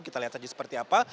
kita lihat saja seperti apa